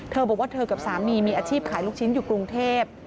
เธอบอกว่าเธอกับสามีมีอาชีพขายลูกชิ้นอยู่กรุงเทพ